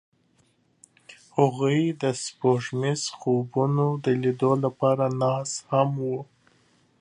هغوی د سپوږمیز خوبونو د لیدلو لپاره ناست هم وو.